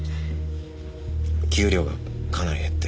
給料がかなり減って。